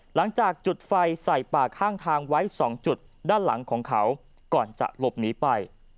หลังจากจุดไฟใส่ป่าข้างทางไว้๒จุดด้านหลังของเขาก่อนจะหลบหนีไป